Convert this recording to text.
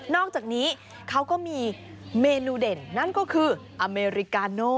อกจากนี้เขาก็มีเมนูเด่นนั่นก็คืออเมริกาโน่